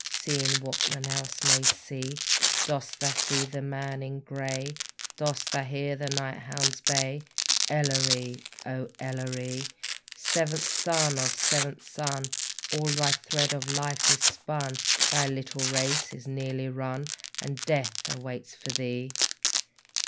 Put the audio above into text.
Seeing what none else may see, Dost thou see the man in grey? Dost thou hear the night hounds bay? Elleree! O Elleree! Seventh son of seventh son, All thy thread of life is spun, Thy little race is nearly run, And death awaits for thee!